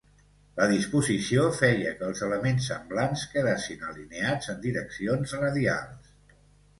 La disposició feia que els elements semblants quedassin alineats en direccions radials.